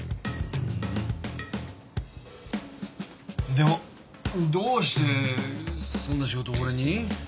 でもどうしてそんな仕事を俺に？